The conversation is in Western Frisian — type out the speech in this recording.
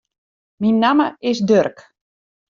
Myn namme is Durk.